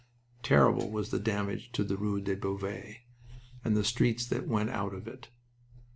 Terrible was the damage up the rue de Beauvais and the streets that went out of it.